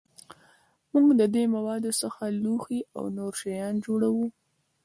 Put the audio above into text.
موږ د دې موادو څخه لوښي او نور شیان جوړوو.